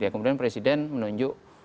kemudian presiden menunjuk